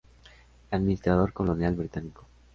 Administrador Colonial Británico.